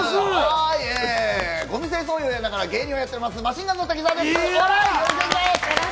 ゴミ清掃員をやりながら芸人をやっています、マシンガンズの滝沢秀一です！